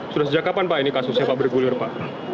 sudah sejak kapan pak ini kasusnya pak bergulir pak